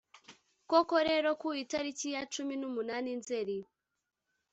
koko rero, ku itariki ya cumi n' umunani nzeri